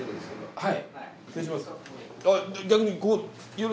はい。